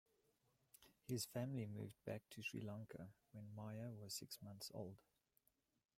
His family moved back to Sri Lanka when Maya was six months old.